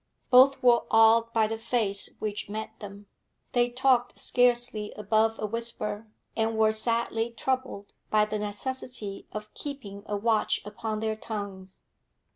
Both were awed by the face which met them; they talked scarcely above a whisper, and were sadly troubled by the necessity of keeping a watch upon their tongues.